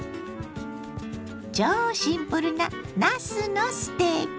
超シンプルななすのステーキ。